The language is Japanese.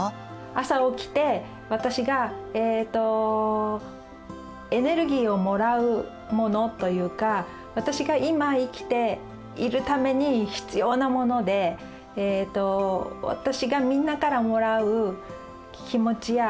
朝起きて私がエネルギーをもらうものというか私が今生きているために必要なものでになってると思います。